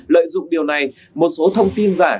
lợi dụng điều này một số thông tin giả